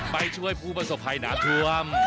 ไปช่วยผู้ประสบภัยน้ำท่วม